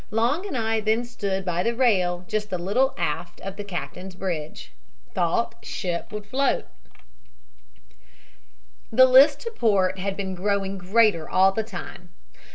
Long and I then stood by the rail just a little aft of the captain's bridge. THOUGHT SHIP WOULD FLOAT "The list to the port had been growing greater all the time.